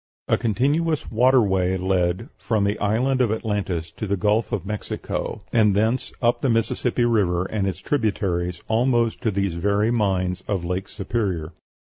A continuous water way led, from the island of Atlantis to the Gulf of Mexico, and thence up the Mississippi River and its tributaries almost to these very mines of Lake Superior.